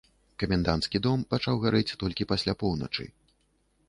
Каменданцкі дом пачаў гарэць толькі пасля поўначы.